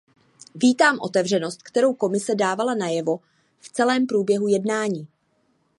Vítám otevřenost, kterou Komise dávala najevo v celém průběhu jednání.